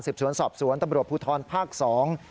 สิบสวนสอบสวนตำรวจผู้ทอนภาคสอง